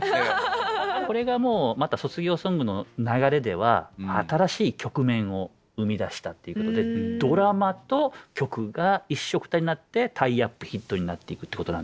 これがもうまた卒業ソングの流れでは新しい局面を生み出したっていうことでドラマと曲が一緒くたになってタイアップヒットになっていくってことなんですけど。